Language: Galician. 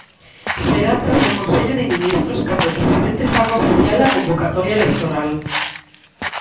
Será tras o Consello de Ministros cando o presidente faga oficial a convocatoria electoral.